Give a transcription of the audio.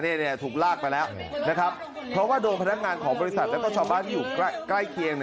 ถูกลากไปแล้วนะครับเพราะว่าโดนพนักงานของบริษัทแล้วก็ชาวบ้านที่อยู่ใกล้เคียง